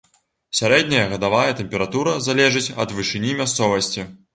Сярэдняя гадавая тэмпература залежыць ад вышыні мясцовасці.